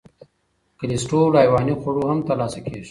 کلسترول له حیواني خوړو هم تر لاسه کېږي.